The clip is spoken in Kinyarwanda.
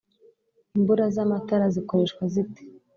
imbura z’amatara zikoreshwa zite